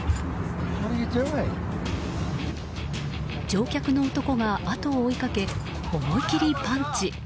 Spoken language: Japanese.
乗客の男が後を追いかけ思い切り、パンチ。